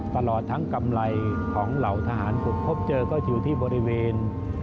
ตลอดทั้งกำไรของเหล่าทหารผมพบเจอก็อยู่ที่บริเวณ